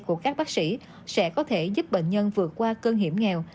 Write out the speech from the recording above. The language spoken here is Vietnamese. của các bác sĩ sẽ có thể giúp bệnh nhân vượt qua cơn hiểm nghèo